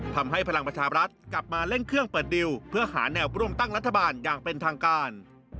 พลังประชาบรัฐกลับมาเร่งเครื่องเปิดดิวเพื่อหาแนวร่วมตั้งรัฐบาลอย่างเป็นทางการ